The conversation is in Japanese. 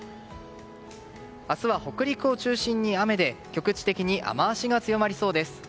明日は北陸を中心に雨で局地的に雨脚が強まりそうです。